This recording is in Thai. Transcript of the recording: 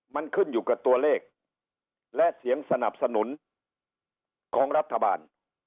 มันขึ้นอยู่กับตัวเลขและเสียงสนับสนุนของรัฐบาล